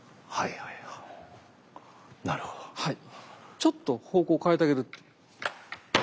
ちょっと方向を変えてあげる。